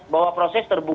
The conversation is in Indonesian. bahwa proses terbuka